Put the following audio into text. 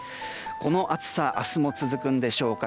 この暑さ明日も続くんでしょうか。